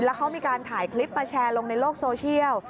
แล้วเขามีการถ่ายคลิปมาแชร์ลงในโลกโซเชียล